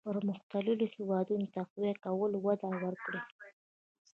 پرمختلليو هېوادونو تقويه کولو وده ورکړه.